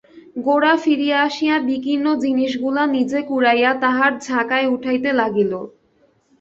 গোরা ফিরিয়া আসিয়া বিকীর্ণ জিনিসগুলা নিজে কুড়াইয়া তাহার ঝাঁকায় উঠাইতে লাগিল।